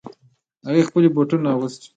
هغې خپلې بوټان اغوستې